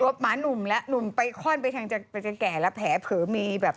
หมานุ่มแล้วหนุ่มไปคล่อนไปทางจะแก่แล้วแผลเผลอมีแบบ